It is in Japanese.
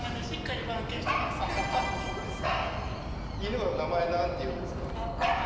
犬は名前なんていうんですか？